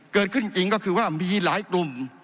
เกิดขึ้นจริงก็คือว่ามีหลายกลุ่ม